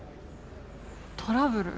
トラブル？